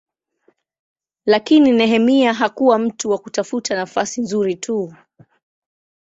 Lakini Nehemia hakuwa mtu wa kutafuta nafasi nzuri tu.